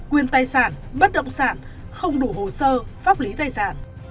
quyền tài sản bất động sản không đủ hồ sơ pháp lý tài sản